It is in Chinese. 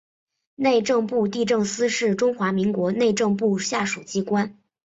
内政部地政司是中华民国内政部下属机关。